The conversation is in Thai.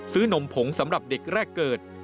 นมผงสำหรับเด็กแรกเกิด